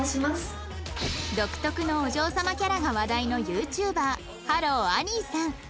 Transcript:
独特のお嬢様キャラが話題の ＹｏｕＴｕｂｅｒ はろーあにーさん